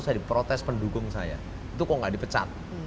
saya diprotes pendukung saya itu kok nggak dipecat